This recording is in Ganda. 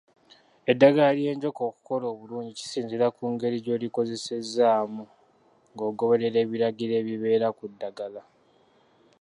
Eddagala ly’enjoka okukola obulungi kisinziira ku ngeri gy’olikozesaamu ng’ogoberera ebiragiro ebibeera ku ddagala.